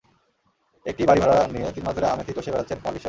একটি বাড়ি ভাড়া নিয়ে তিন মাস ধরে আমেথি চষে বেড়াচ্ছেন কুমার বিশ্বাস।